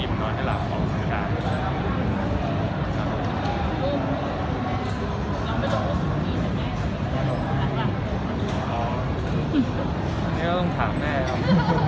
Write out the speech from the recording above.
อันนี้ก็ต้องถามแม่นะ